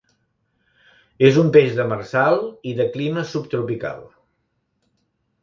És un peix demersal i de clima subtropical.